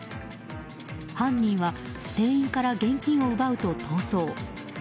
犯人は店員から現金を奪うと逃走。